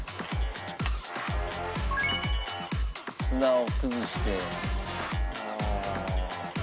砂を崩して。